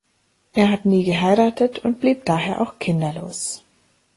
Er hat nie geheiratet und blieb daher auch kinderlos.